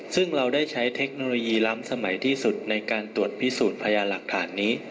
ซึ่งเราได้ใช้เทคโนโลยีล้ำสมัยที่สุดในการตรวจพิสูจน์พยานหลักฐานนี้